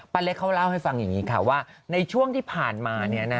เล็กเขาเล่าให้ฟังอย่างนี้ค่ะว่าในช่วงที่ผ่านมา